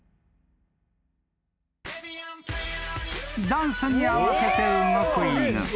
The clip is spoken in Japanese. ［ダンスに合わせて動く犬］